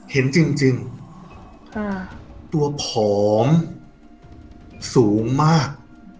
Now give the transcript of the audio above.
เห็นจริงตัวผอมสูงมาก